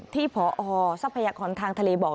ที่พอทรัพยากรทางทะเลบอก